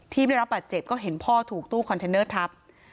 ได้รับบาดเจ็บก็เห็นพ่อถูกตู้คอนเทนเนอร์ทับ